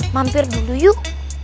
mampir dulu yuk